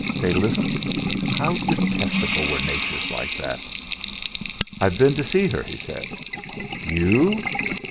Fatalism! How detestable were natures like that! "I've been to see her," he said. "You?"